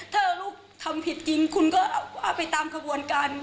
ถ้าลูกทำผิดจริงคุณก็ว่าไปตามขบวนการ